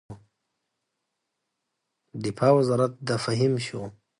د دفاع وزارت د فهیم شو.